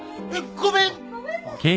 ごめんね